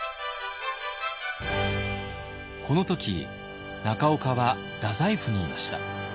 この時中岡は太宰府にいました。